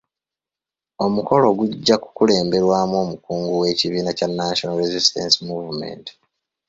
Omukolo gujja kukulemberwamu omukungu w'ekibiina kya National Resisitance Movement.